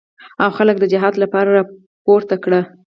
او خلک د جهاد لپاره راپورته کړي.